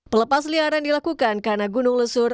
pelepasliaran dilakukan karena gunung lesur